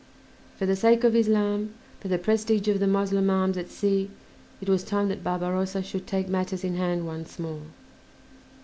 For the sake of Islam, for the prestige of the Moslem arms at sea, it was time that Barbarossa should take matters in hand once more.